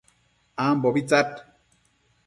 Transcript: ambobi tsad